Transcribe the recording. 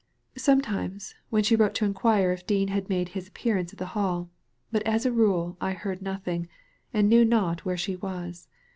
"Sometimes, when she wrote to inquire if Dean had made his appearance at the Hall, but as a rule I heard nothing, and knew not where she was.